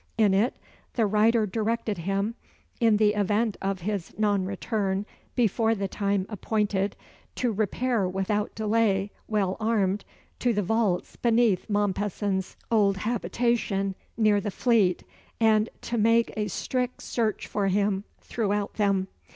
In it the writer directed him, in the event of his non return before the time appointed, to repair without delay, well armed, to the vaults beneath Mompesson's old habitation near the Fleet, and to make strict search for him throughout them.